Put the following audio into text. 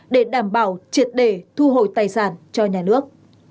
để đảm bảo triệt để thu hồi tài sản cho nhà nước